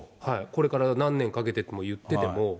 これから何年かけてと言ってても。